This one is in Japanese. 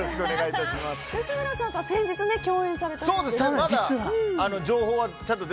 吉村さんとは先日、共演されたと。